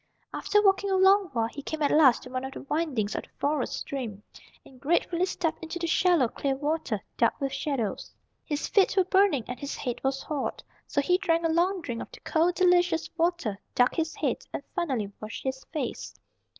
After walking for a long while he came at last to one of the windings of the Forest stream, and gratefully stepped into the shallow, clear water, dark with shadows. His feet were burning, and his head was hot. So he drank a long drink of the cold, delicious water, ducked his head, and finally washed his face.